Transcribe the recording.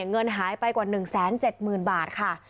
เงินหายไปกว่า๑๗๐๐๐บาทค่ะ